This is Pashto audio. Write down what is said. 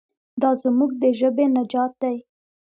دا زموږ د ژبې نجات دی.